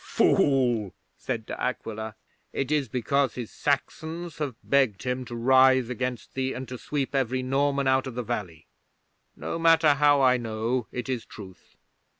'"Fool!" said De Aquila. "It is because his Saxons have begged him to rise against thee, and to sweep every Norman out of the valley. No matter how I know. It is truth.